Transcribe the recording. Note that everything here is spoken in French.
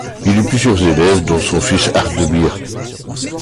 Il eut plusieurs élèves dont son fils, Aert de Beer.